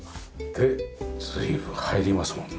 で随分入りますもんね。